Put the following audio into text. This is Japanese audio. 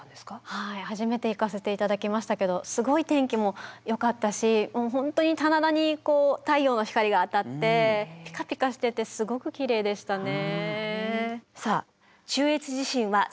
はい初めて行かせて頂きましたけどすごい天気もよかったし本当に棚田に太陽の光が当たってピカピカしててすごくきれいでしたね。